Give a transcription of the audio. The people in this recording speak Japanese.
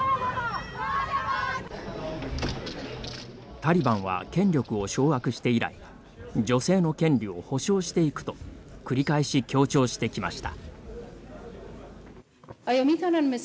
タリバンは権力を掌握して以来女性の権利を保障していくと繰り返し強調してきました。